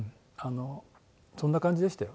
そんな感じでしたよ。